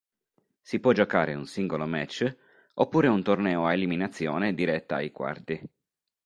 Si può giocare un singolo match oppure un torneo a eliminazione diretta ai quarti.